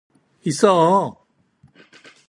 있어!